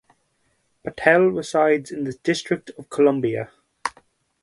Patel resides in the District of Columbia.